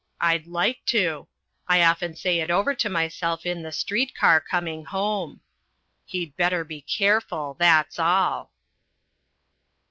I'd like to. I often say it over to myself in the street car coming home. He'd better be careful, that's all.